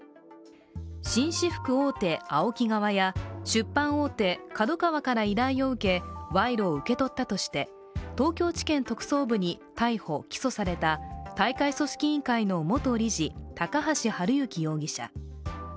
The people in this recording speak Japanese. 紳士服大手、ＡＯＫＩ側や出版大手、ＫＡＤＯＫＡＷＡから依頼を受け賄賂を受け取ったとして東京地検特捜部に逮捕・起訴された大会組織委員会の元理事・高橋治之容疑者。